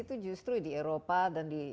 itu justru di eropa dan di